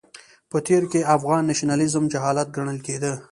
په تېر کې افغان نېشنلېزم جهالت ګڼل کېده.